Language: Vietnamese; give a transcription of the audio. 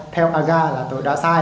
theo aga là tôi đã sai